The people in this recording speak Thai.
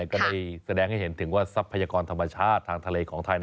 ก็ได้แสดงให้เห็นถึงว่าทรัพยากรธรรมชาติทางทะเลของไทย